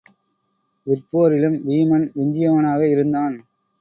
விற்போரிலும் வீமன் விஞ்சியவனாக இருந்தான்.